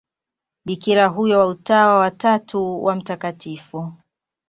Bikira huyo wa Utawa wa Tatu wa Mt.